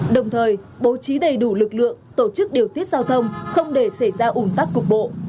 đồng thời bố trí đầy đủ lực lượng tổ chức điều tiết giao thông không để xảy ra ủn tắc cục bộ